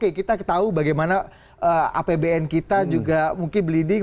karena kita tahu bagaimana apbn kita juga mungkin bleeding